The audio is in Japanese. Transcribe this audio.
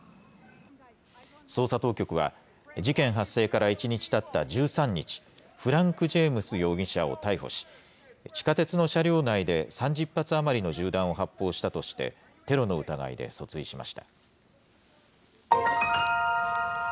捜査当局は、事件発生から１日たった１３日、フランク・ジェームズ容疑者を逮捕し、地下鉄の車両内で３０発余りの銃弾を発砲したとして、テロの疑いで訴追しました。